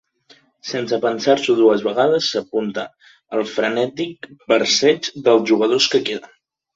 Sense pensar-s'ho dues vegades, s'apunta al frenètic braceig dels jugadors que queden.